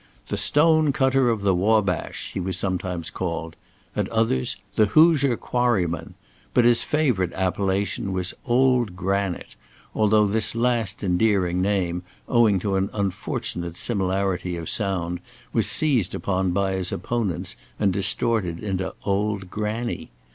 "The Stone cutter of the Wabash," he was sometimes called; at others "the Hoosier Quarryman," but his favourite appellation was "Old Granite," although this last endearing name, owing to an unfortunate similarity of sound, was seized upon by his opponents, and distorted into "Old Granny."